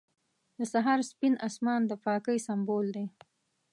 • د سهار سپین آسمان د پاکۍ سمبول دی.